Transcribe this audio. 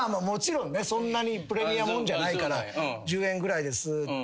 「もちろんそんなにプレミアもんじゃないから１０円ぐらいです。